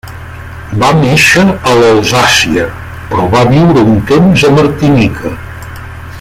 Va néixer a l'Alsàcia, però va viure un temps a Martinica.